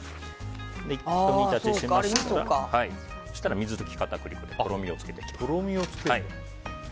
ひと煮立ちしましたら水溶き片栗粉でとろみをつけていきます。